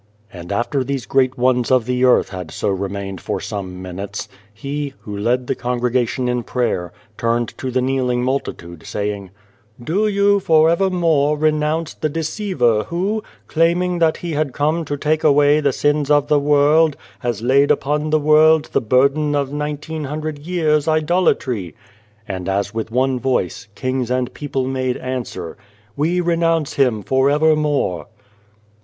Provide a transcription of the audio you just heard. And after these great ones of the earth had so remained for some minutes, he, who led the congregation in prayer, turned to the kneeling multitude, saying :" Do you for evermore renounce the Deceiver 182 and the Devil who, claiming that he had come to take away the sins of the world, has laid upon the world the burden of nineteen hundred years' idolatry ?" And, as with one voice, kings and people made answer :" We renounce him for evermore."